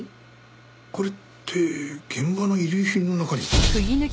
これって現場の遺留品の中に。